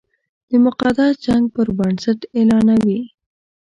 د مقدس جنګ پر بنسټ اعلانوي.